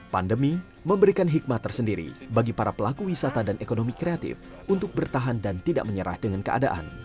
pandemi memberikan hikmat tersendiri bagi para pelaku wisata dan ekonomi kreatif untuk bertahan dan tidak menyerah dengan keadaan